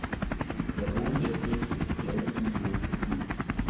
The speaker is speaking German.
Der Boden der Kirche ist gelb und rot gefliest.